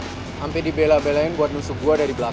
sampai dibela belain buat nusuk gue dari belakang